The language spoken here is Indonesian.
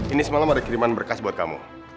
ini semalam ada kiriman berkas buat kamu